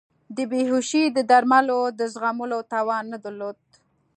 د بیهوشۍ د درملو د زغملو توان نه درلود.